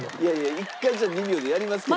１回じゃあ２秒でやりますけど。